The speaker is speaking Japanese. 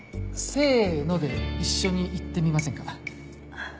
せので一緒に言ってみませんか？